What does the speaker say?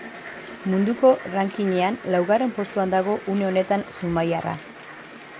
Munduko rankingean laugarren postuan dago une honetan zumaiarra.